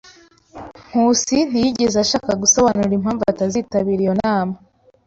Nkusi ntiyigeze ashaka gusobanura impamvu atazitabira iyo nama.